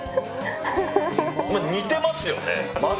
似てますよね、まず。